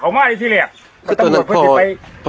เกลียดทีเสียแม่ว่านอนหน้านี่สิ